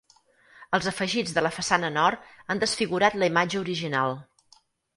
Els afegits de la façana nord han desfigurat la imatge original.